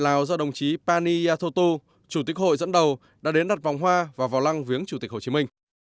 lào do đồng chí pani yathoto chủ tịch hội dẫn đầu đã đến đặt vòng hoa và vào lăng viếng chủ tịch hồ chí minh